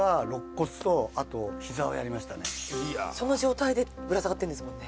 その状態でぶら下がってんですもんね